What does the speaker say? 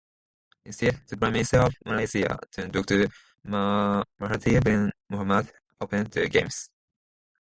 Instead, the Prime Minister of Malaysia, Tun Doctor Mahathir bin Mohamad, opened the games.